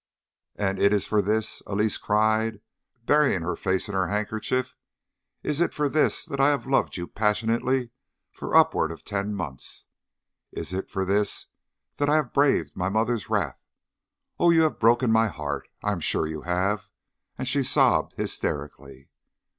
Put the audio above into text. "And is it for this," Elise cried, burying her face in her handkerchief "is it for this that I have loved you passionately for upwards of ten months? Is it for this that I have braved my mother's wrath? Oh, you have broken my heart; I am sure you have!" and she sobbed hysterically.